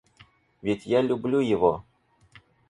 Ведь я люблю его.